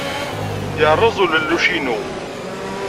Yerreẓ ulelluc-inu.